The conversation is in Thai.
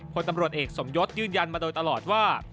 พลตำรวจเอกสมยศยืนยันมาโดยตลอดว่า